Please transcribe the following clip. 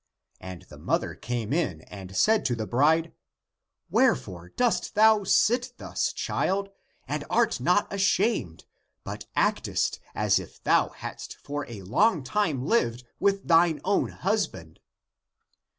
And the mother came in and said 236 THE APOCRYPHAL ACTS to the bride, " .Wherefore dost thou sit thus, child, and art not ashamed, but actest as if thou hadst for a long time lived with thine own husband?"